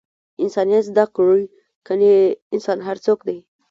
انسانیت زده کړئ! کنې انسان هر څوک دئ!